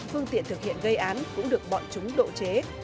phương tiện thực hiện gây án cũng được bọn chúng độ chế